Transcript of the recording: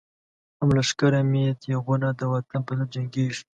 هم لښکر هم یی تیغونه، د وطن پر ضد جنگیږی